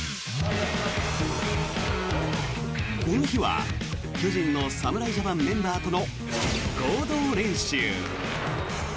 この日は巨人の侍ジャパンメンバーとの合同練習。